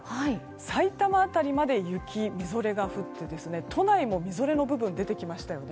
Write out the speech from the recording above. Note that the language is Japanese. さいたま辺りまで雪、みぞれが降って都内もみぞれの部分が出てきましたよね。